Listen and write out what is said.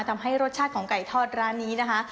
ทำให้รสชาติของไก่ทอดร้านนี้นะคะ